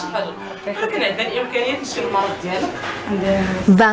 và ngôi nhà zanat